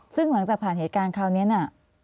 ซึ่งหลังจากผ่านเหตุการณ์คราวนี้น่ะ